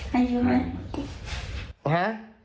ให้ยืมไหม